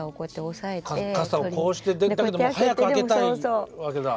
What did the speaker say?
傘をこうしてでも早く開けたいわけだ。